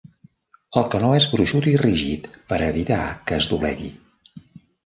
El canó és gruixut i rígid, per a evitar que es doblegui.